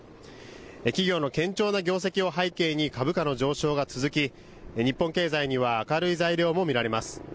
企業の堅調な業績を背景に株価の上昇が続き日本経済には明るい材料も見られます。